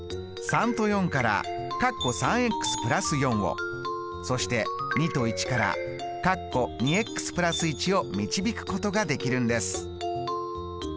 ３と４からをそして２と１からを導くことができるんです。